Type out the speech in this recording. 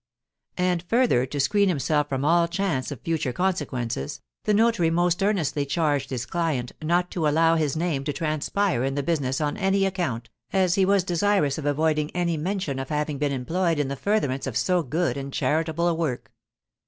And, further to screen himself from all chance of future consequences, the notary most earnestly charged his client not to allow his name to transpire in the business on any account, as he was desirous of avoiding any mention of having been employed in the furtherance of so good and charitable a work.